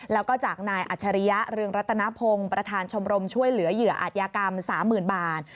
แล้วก็จากนายอัจฉริยะเรืองรัตนพงศ์ประธานชมรมช่วยเหลือเหยื่ออาจยากรรม๓๐๐๐บาท